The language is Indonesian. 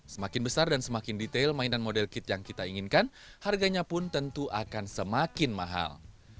semakin besar dan semakin detail mainan model kit yang kita inginkan harganya pun tentu akan semakin mahal